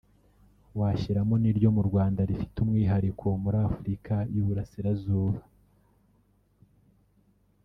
washyiramo n’iryo mu Rwanda rifite umwihariko muri Afurika y’u Burasirazuba